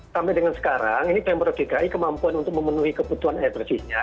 sampai dengan sekarang ini pemperdikai kemampuan untuk memenuhi kebutuhan air persisnya